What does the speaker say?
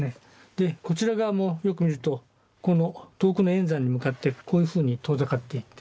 でこちら側もよく見るとこの遠くの遠山に向かってこういうふうに遠ざかっていってる。